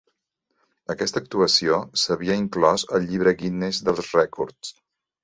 Aquesta actuació s'havia inclòs al llibre Guinness dels rècords.